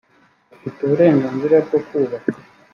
afite uburenganzira bwo kubaka